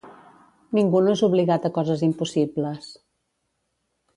Ningú no és obligat a coses impossibles.